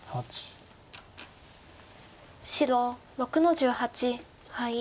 白６の十八ハイ。